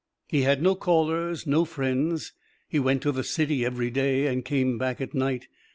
He had no callers, no friends; he went to the city every day and came back at night.